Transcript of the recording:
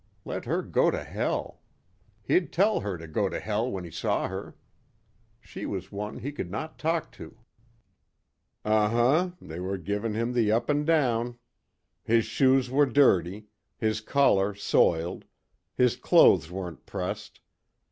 Let her go to Hell. He'd tell her to go to Hell when he saw her. She was one he could talk to. Uh huh, they were giving him the up and down. His shoes were dirty. His collar soiled. His clothes weren't pressed.